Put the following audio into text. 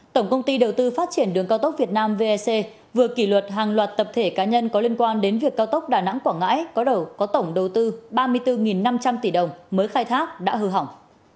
tổng công ty đầu tư phát triển đường cao tốc việt nam vec vừa kỷ luật hàng loạt tập thể cá nhân có liên quan đến việc cao tốc đà nẵng quảng ngãi có tổng đầu tư ba mươi bốn năm trăm linh tỷ đồng mới khai thác đã hư hỏng